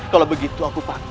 kalau begitu aku pengen